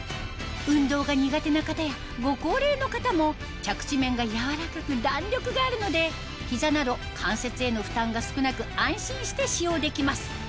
運動が苦手な方やご高齢の方も着地面が柔らかく弾力があるので膝など関節への負担が少なく安心して使用できます